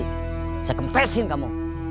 bisa kempesin kamu